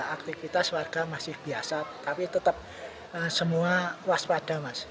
aktivitas warga masih biasa tapi tetap semua waspada mas